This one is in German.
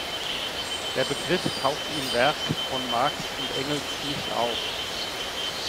Der Begriff taucht im Werk von Marx und Engels nicht auf.